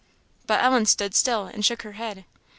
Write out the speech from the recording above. But Ellen stood still, and shook her head.